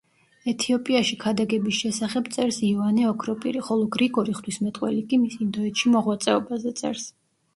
ეთიოპიაში ქადაგების შესახებ წერს იოანე ოქროპირი, ხოლო გრიგორი ღვთისმეტყველი კი მის ინდოეთში მოღვაწეობაზე წერს.